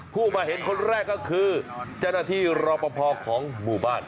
ผู้มาเห็นคนแรกก็คือเจ้าหน้าที่รอปภของหมู่บ้าน